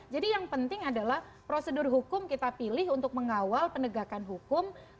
jadi yang penting adalah prosedur hukum kita pilih untuk mengawal penegakan hukum